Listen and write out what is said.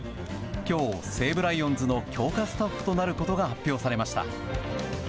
今日、西武ライオンズの強化スタッフとなることが発表されました。